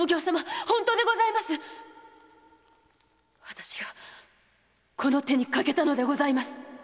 〔私がこの手にかけたのでございます〕